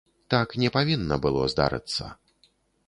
Так не павінна было здарыцца.